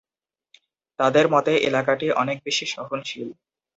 তাদের মতে এলাকাটি অনেক বেশি সহনশীল।